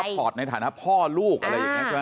พอร์ตในฐานะพ่อลูกอะไรอย่างนี้ใช่ไหม